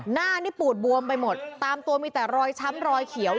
หน้านี่ปูดบวมไปหมดตามตัวมีแต่รอยช้ำรอยเขียว